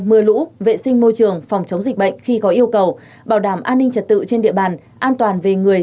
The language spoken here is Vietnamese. mưa lũ vệ sinh môi trường phòng chống dịch bệnh khi có yêu cầu bảo đảm an ninh trật tự trên địa bàn an toàn về người